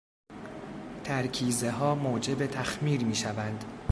ترکیزهها موجب تخمیر میشوند.